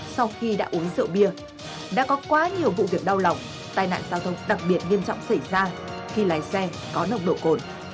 sau khi đã uống rượu bia đã có quá nhiều vụ việc đau lòng tai nạn giao thông đặc biệt nghiêm trọng xảy ra khi lái xe có nồng độ cồn